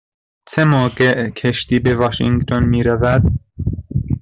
چه موقع کشتی به واشینگتن می رود؟